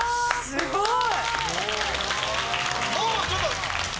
すごい。